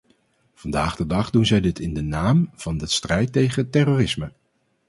Vandaag de dag doen zij dit in de naam van de strijd tegen terrorisme.